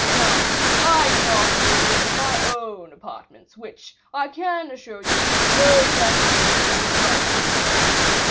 Come, I can offer you a room in my own apartments, which, I can assure you, no Franciscan will deprive you of.